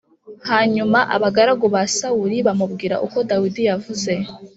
Hanyuma abagaragu ba Sawuli bamubwira uko Dawidi yavuze.